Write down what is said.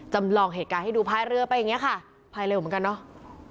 จำลองเหตุการณ์ให้ดูพายเรือไปอย่างนี้ค่ะพายเร็วเหมือนกันเนาะ